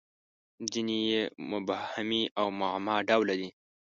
• ځینې یې مبهمې او معما ډوله دي.